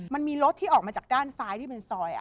มันมีรถที่ออกมาจากด้านซ้ายที่เป็นซอย